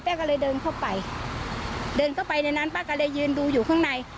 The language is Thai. ก็เลยเดินเข้าไปเดินเข้าไปในนั้นป้าก็เลยยืนดูอยู่ข้างใน